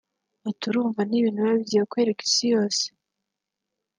Ati” Urumva ni ibintu biba bigiye kwerekwa isiyose